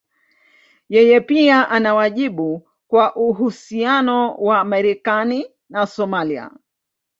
Yeye pia ana wajibu kwa uhusiano wa Marekani na Somalia.